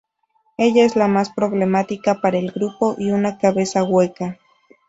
Ella es la más problemática para el grupo, y una cabeza hueca.